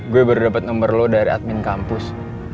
gue baru dapet nomer lo dari admin kampus